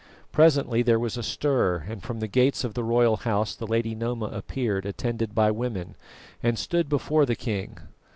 Presently there was a stir, and from the gates of the royal house the Lady Noma appeared, attended by women, and stood before the king.